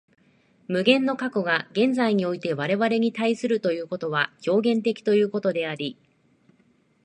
無限の過去が現在において我々に対するということは表現的ということであり、